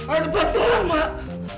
ada batu lah mak